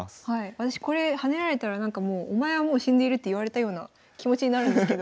私これ跳ねられたらなんかもう「お前はもう死んでいる」って言われたような気持ちになるんですけど。